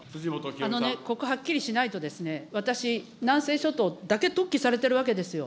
ここ、はっきりしないとですね、私、南西諸島だけ特記されてるわけですよ。